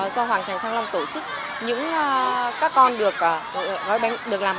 do hoàng thành thăng long tổ chức các con được hướng dẫn làm bánh chim